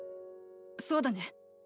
そうだね？